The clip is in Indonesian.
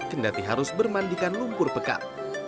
kendati harus bermandikan lumpur pekat